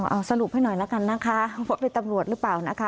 เอาสรุปให้หน่อยละกันนะคะว่าเป็นตำรวจหรือเปล่านะคะ